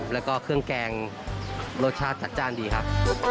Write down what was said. แล้วก็เครื่องแกงรสชาติจัดจ้านดีครับ